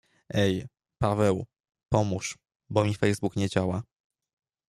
Ej, Paweł, pomóż, bo mi Facebook nie działa...